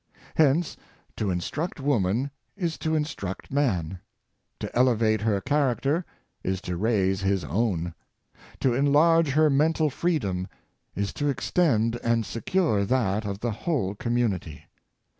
Hence, to instruct woman is to instruct man; to ele vate her character is to raise his own; to enlarge her mental freedom is to extend and secure that of the whole community.